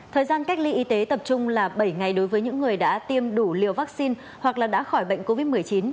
thời gian cách ly y tế tập trung là bảy ngày đối với những người đã tiêm đủ liều vaccine hoặc là đã khỏi bệnh covid một mươi chín